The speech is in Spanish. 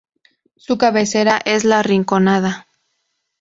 Su cabecera es La Rinconada.